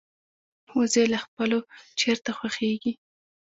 وزې له خپلو چرته خوښيږي